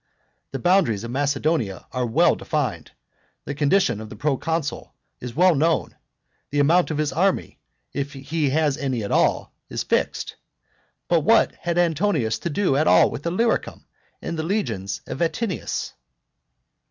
The boundaries of Macedonia are well defined; the condition of the proconsul is well known; the amount of his army, if he has any at all, is fixed. But what had Antonius to do at all with Illyricum and with the legions of Vatinius?